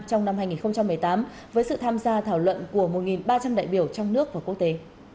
trong năm hai nghìn một mươi tám với sự tham gia thảo luận của một ba trăm linh đại biểu trong nước và quốc tế